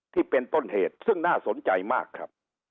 ที่เป็นต้นเหตุซึ่งน่าสนใจมากครับ